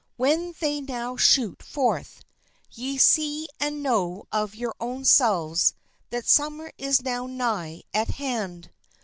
When they now shoot forth, ye see and know of your own selves that sum mer is now nigh at hand.